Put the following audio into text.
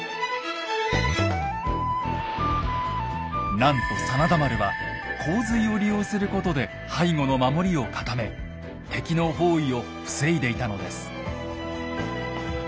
なんと真田丸は洪水を利用することで背後の守りを固め敵の包囲を防いでいたのです。